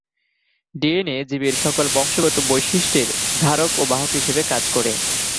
DNA জীবের সকল বংশগত বৈশিষ্ট্যের ধারক ও বাহক হিসাবে কাজ করে।